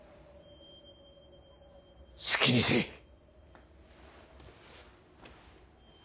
好きにせい。